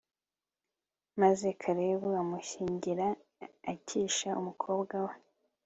maze kalebu amushyingira akisha, umukobwa we